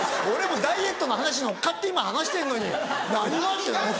俺もダイエットの話に乗っかって今話してんのに何が？って。